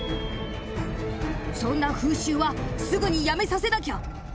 そんな風習はすぐにやめさせなきゃ！